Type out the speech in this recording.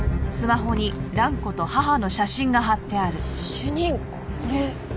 主任これ。